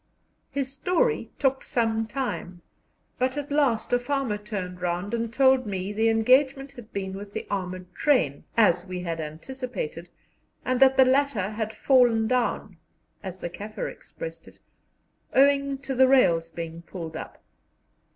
His story took some time, but at last a farmer turned round and told me the engagement had been with the armoured train, as we anticipated, and that the latter had "fallen down" (as the Kaffir expressed it) owing to the rails being pulled up.